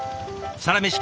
「サラメシ」